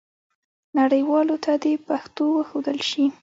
نړیوالو ته دې پښتو وښودل سي.